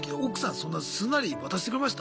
そんなすんなり渡してくれました？